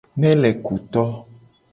Melekuto.